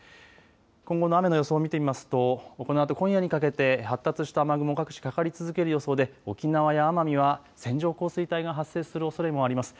今後の雨の予想を見てみますとこのあと今夜にかけて発達した雨雲、各地かかり続ける予想で沖縄や奄美は線状降水帯が発生するおそれもあります。